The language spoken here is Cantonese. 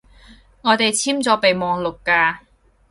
我哋簽咗備忘錄㗎